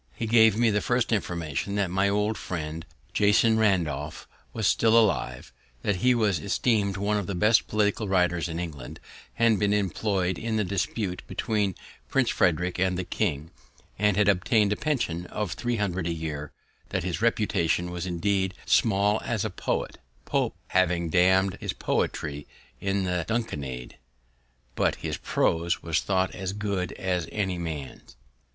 He gave me the first information that my old friend Jas. Ralph was still alive; that he was esteem'd one of the best political writers in England; had been employed in the dispute between Prince Frederic and the king, and had obtain'd a pension of three hundred a year; that his reputation was indeed small as a poet, Pope having damned his poetry in the Dunciad, but his prose was thought as good as any man's.